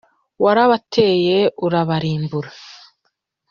warabateye urabarimbura,